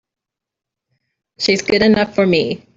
She's good enough for me!